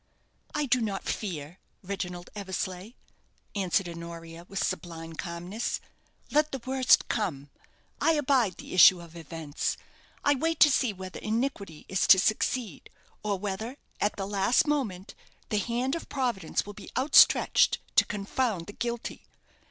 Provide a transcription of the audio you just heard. "I do not fear, Reginald Eversleigh," answered Honoria, with sublime calmness. "Let the worst come. I abide the issue of events. I wait to see whether iniquity is to succeed; or whether, at the last moment, the hand of Providence will be outstretched to confound the guilty.